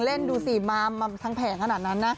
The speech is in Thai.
เล่นดูสิมามมาทั้งแผนขนาดนะ